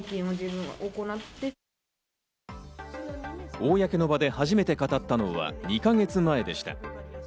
公の場で初めて語ったのは２か月前でした。